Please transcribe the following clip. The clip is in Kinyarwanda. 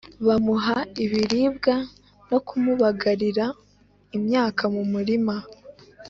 Bamuha ibiribwa no kumubagarira imyaka mu murima